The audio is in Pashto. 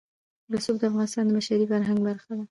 رسوب د افغانستان د بشري فرهنګ برخه ده.